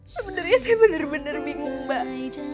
sebenernya saya bener bener bingung mbak